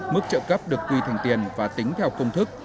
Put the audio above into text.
mức trợ cấp được quy thành tiền và tính theo công thức